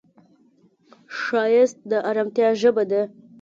ښایست د ارامتیا ژبه ده